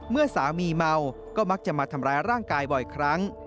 เมื่อสามีเมาก็มักจะมาทำร้ายร่างกายบ่อยครั้ง